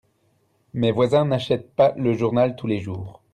Mes voisins n'achètent pas le journal tous les jours.